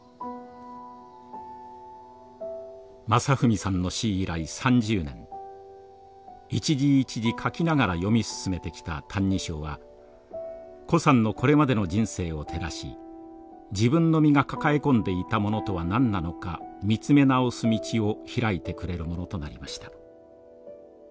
真史さんの死以来３０年一字一字書きながら読み進めてきた「歎異抄」は高さんのこれまでの人生を照らし自分の身が抱え込んでいたものとは何なのか見つめ直す道を開いてくれるものとなりました。